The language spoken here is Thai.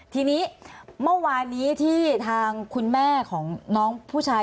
ทีนี้เมื่อวานนี้ที่ทางคุณแม่ของน้องผู้ชาย